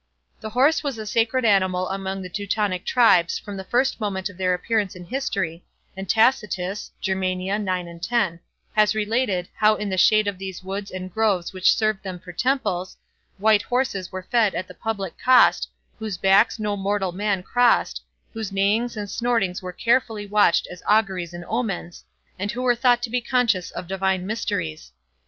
The horse was a sacred animal among the Teutonic tribes from the first moment of their appearance in history, and Tacitus has related, how in the shade of those woods and groves which served them for temples, white horses were fed at the public cost, whose backs no mortal man crossed, whose neighings and snortings were carefully watched as auguries and omens, and who were thought to be conscious of divine mysteries.